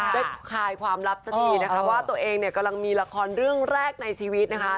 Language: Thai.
คลายความลับสักทีนะคะว่าตัวเองเนี่ยกำลังมีละครเรื่องแรกในชีวิตนะคะ